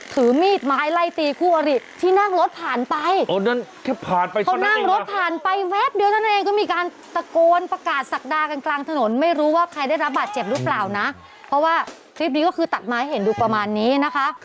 เพราะว่าคลิปนี้ก็คือตัดมาให้เห็นดูประมาณนี้นะคะ